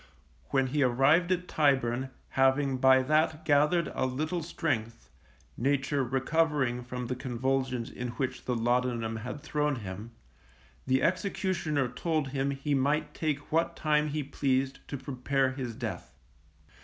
When he arrived at Tyburn, having by that gathered a little strength (nature recovering from the convulsions in which the laudanum had thrown him), the executioner told him he might take what time he pleased to prepare his death.